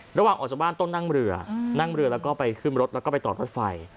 ระหว่างออกจากบ้านต้องนั่งเรือนั่งเรือแล้วก็ไปขึ้นรถแล้วก็ไปจอดรถไฟ